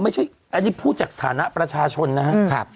ไม่ใช่อันนี้พูดจากฐานะประชาชนนะครับ